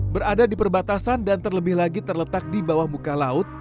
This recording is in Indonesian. berada di perbatasan dan terlebih lagi terletak di bawah muka laut